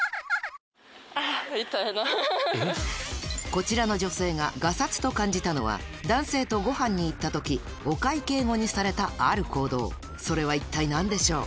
こちらの女性がガサツと感じたのは男性とごはんに行った時お会計後にされたある行動それは一体何でしょう？